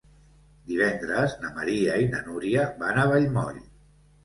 Divendres na Maria i na Núria van a Vallmoll.